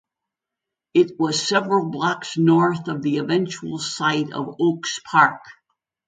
It was several blocks north of the eventual site of Oaks Park.